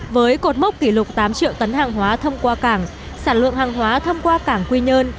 với cột mốc kỷ lục tám triệu tấn hàng hóa thông qua cảng sản lượng hàng hóa thông qua cảng quy nhơn